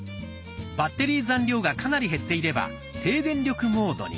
バッテリー残量がかなり減っていれば「低電力モード」に。